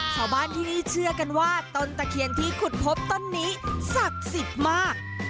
ชาวบ้านที่นี่เชื่อกันว่าต้นตะเคียนที่ขุดพบต้นนี้ศักดิ์สิทธิ์มาก